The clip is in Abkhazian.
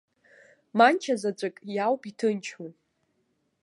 Манча заҵәык иауп иҭынчу.